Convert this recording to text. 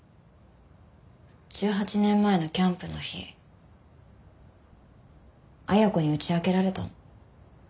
１８年前のキャンプの日恵子に打ち明けられたの。